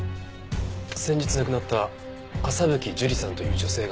先日亡くなった朝吹樹里さんという女性が持っていました。